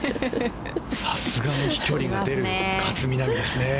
さすがの飛距離が出る勝みなみですね。